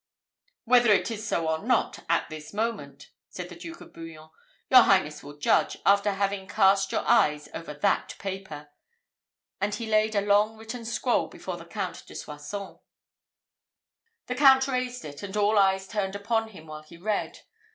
"Whether it is so or not, at this moment," said the Duke of Bouillon, "your highness will judge, after having cast your eyes over that paper" and he laid a long written scroll before the Count de Soissons. The Count raised it, and all eyes turned upon him while he read.